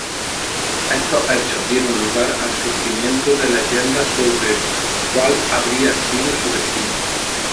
Estos hechos dieron lugar al surgimiento de leyendas sobre cuál habría sido su destino.